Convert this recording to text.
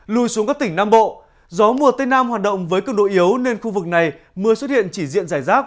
lùi xuống các tỉnh nam bộ gió mùa tây nam hoạt động với cường độ yếu nên khu vực này mưa xuất hiện chỉ diện giải rác